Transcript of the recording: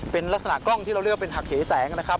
เป็นลักษณะกล้องที่เราเรียกว่าเป็นหักเหแสงนะครับ